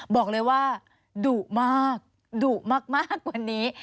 บอกเลยว่าดุมากดุมากกว่านี้